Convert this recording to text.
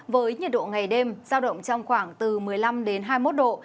với nhiệt độ ngày đêm giao động trong khoảng từ một mươi năm đến hai mươi một độ